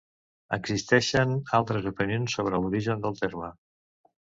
Existeixen altres opinions sobre l'origen del terme.